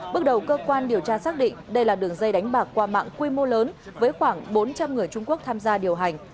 bước đầu cơ quan điều tra xác định đây là đường dây đánh bạc qua mạng quy mô lớn với khoảng bốn trăm linh người trung quốc tham gia điều hành